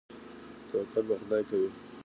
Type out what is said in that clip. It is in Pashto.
توکل په خدای کوئ؟